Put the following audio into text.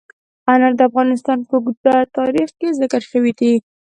انار د افغانستان په اوږده تاریخ کې ذکر شوی دی.